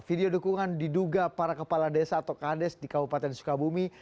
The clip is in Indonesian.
video dukungan diduga para kepala desa atau kades di kabupaten sukabumi